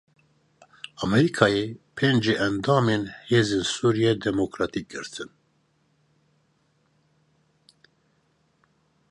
Amerîkayê pêncî endamên Hêzên Sûriya Demokratîk girtin.